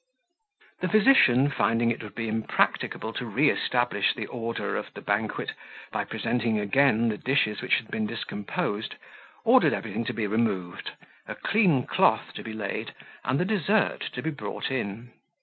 The physician, finding it would be impracticable to re establish the order of the banquet, by presenting again the dishes which had been discomposed, ordered everything to be removed, a clean cloth to be laid, and the dessert to be brought in.